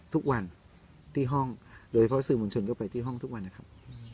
ทุกวันที่ห้องโดยเฉพาะสื่อมวลชนก็ไปที่ห้องทุกวันนะครับ